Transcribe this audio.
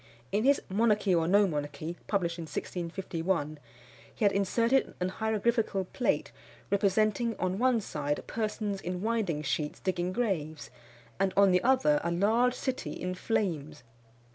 In his Monarchy or no Monarchy, published in 1651, he had inserted an hieroglyphical plate representing on one side persons in winding sheets digging graves; and on the other a large city in flames.